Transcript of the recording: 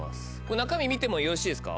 中身見てもよろしいですか？